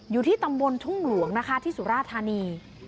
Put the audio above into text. อยู่ที่ตำบลทุ่งหลวงนะคะที่สุราธานี